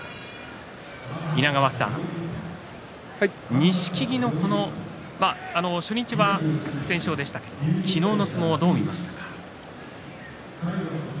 稲川さん、錦木は初日不戦勝でしたけれども昨日の相撲はどう見ましたか？